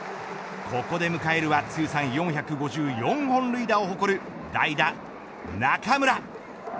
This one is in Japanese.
ここで迎えるは通算４５４本塁打を誇る代打、中村。